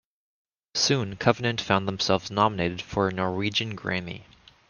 Soon Covenant found themselves nominated for a Norwegian Grammy.